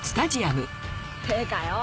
ってかよ